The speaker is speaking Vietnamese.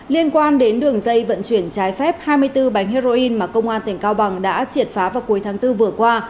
liên quan đến đường dây vận chuyển trái phép hai mươi bốn bánh heroin mà công an tỉnh cao bằng đã triệt phá vào cuối tháng bốn vừa qua